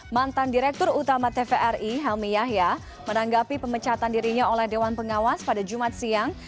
mantan direktur utama tvri helmi yahya menanggapi pemecatan dirinya oleh dewan pengawas pada jumat siang